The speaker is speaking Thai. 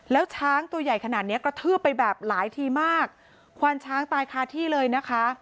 แล้วช้างตัวใหญ่ขนาดนี้กระทืบไปขวานช้างที่แล้วนะคะ